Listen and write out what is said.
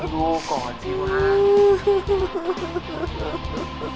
ดูก่อนสิว